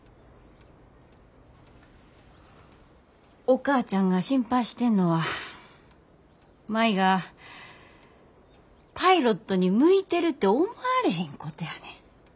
お母ちゃんが心配してんのは舞がパイロットに向いてるて思われへんことやねん。